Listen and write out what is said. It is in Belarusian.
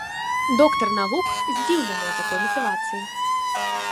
Доктар навук здзіўленая такой матывацыяй.